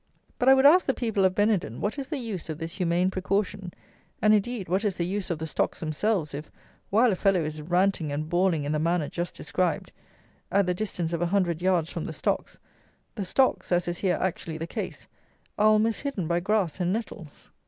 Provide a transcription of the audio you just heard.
But I would ask the people of Benenden what is the use of this humane precaution, and, indeed, what is the use of the stocks themselves, if, while a fellow is ranting and bawling in the manner just described, at the distance of a hundred yards from the stocks, the stocks (as is here actually the case) are almost hidden by grass and nettles?